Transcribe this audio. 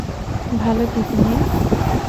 ভালো থেকো মেয়ে।